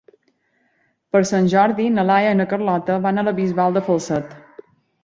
Per Sant Jordi na Laia i na Carlota van a la Bisbal de Falset.